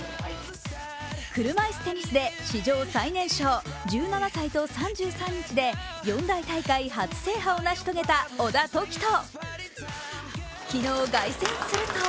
車いすテニスで史上最年少１７歳３３日で、四大大会初制覇を成し遂げた小田凱人。